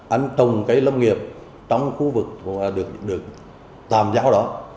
anh trồng cây lâm nghiệp trong khu vực được tàm giáo đó